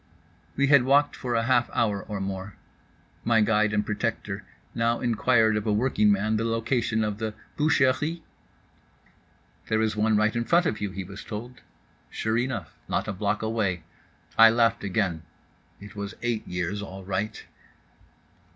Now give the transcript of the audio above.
We had walked for a half hour or more. My guide and protector now inquired of a workingman the location of the boucheries? "There is one right in front of you," he was told. Sure enough, not a block away. I laughed again. It was eight years all right.